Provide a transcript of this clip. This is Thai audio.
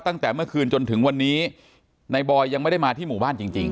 ตั้งแต่เมื่อคืนจนถึงวันนี้นายบอยยังไม่ได้มาที่หมู่บ้านจริงจริง